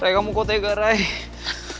rai kamu kotega rai